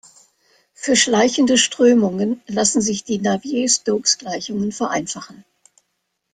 Für schleichende Strömungen lassen sich die Navier-Stokes-Gleichungen vereinfachen.